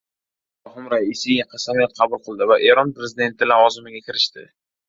Ibrohim Raisiy qasamyod qabul qildi va Eron prezidenti lavozimiga kirishdi